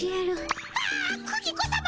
あクギ子さま！